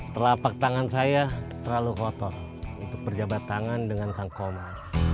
telapak tangan saya terlalu kotor untuk berjabat tangan dengan kang koma